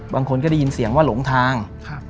บางคนก็ได้ยินเสียงว่าหลงทาง